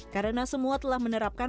karena semua telah menerapkan